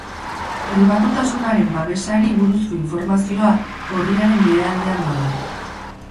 Pribatutasunaren babesari buruzko informazioa orriaren behealdean dago.